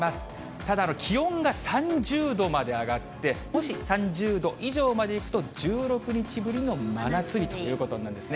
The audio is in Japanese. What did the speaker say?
ただ、気温が３０度まで上がって、もし３０度以上までいくと、１６日ぶりの真夏日ということになるんですね。